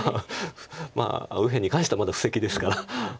まあ右辺に関してはまだ布石ですから。